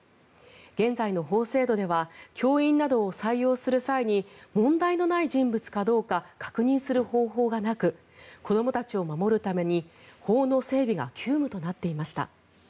現在の法制度では教員などを採用する際に問題のない人物かどうか確認する方法がなく子どもたちを守るために法の整備が急務となっていました。